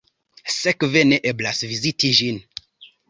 Sekve ne eblas viziti ĝin.